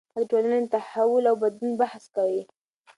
هغه د ټولنې د تحول او بدلون بحث کوي.